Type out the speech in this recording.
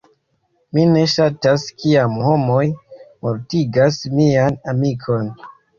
Mi ne ŝatas kiam homoj mortigas mian amikon.